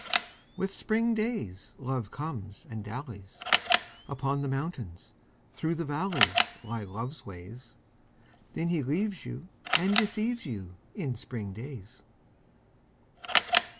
With spring days Love comes and dallies: Upon the mountains, through the valleys Lie Love's ways. Then he leaves you and deceives you In spring days.